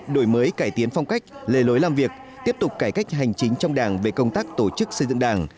đổi mới cải tiến phong cách lề lối làm việc tiếp tục cải cách hành chính trong đảng về công tác tổ chức xây dựng đảng